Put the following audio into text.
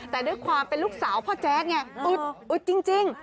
แต่ด้วยความเป็นลูกสาวพ่อแจ๊ดไงอึดอึดจริง